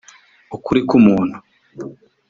ukuri ku muntu